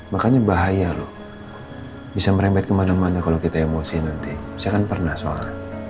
makanya bahaya loh bisa merembet kemana mana kalau kita emosi nanti saya akan pernah sholat